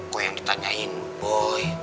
kok yang ditanyain boy